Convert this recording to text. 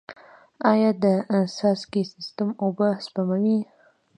آیا د څاڅکي سیستم اوبه سپموي؟